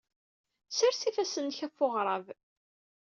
Ssers ifassen-nnek ɣef uɣrab.